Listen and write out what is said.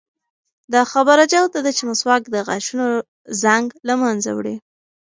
دا خبره جوته ده چې مسواک د غاښونو زنګ له منځه وړي.